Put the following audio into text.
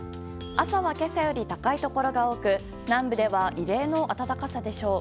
朝は今朝より高いところが多く南部では異例の暖かさでしょう。